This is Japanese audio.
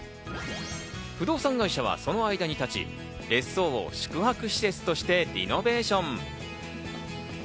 不動産会社はその間に立ち、別荘を宿泊施設としてリノベーション。